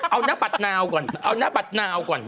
เอานะบัดนาวก่อน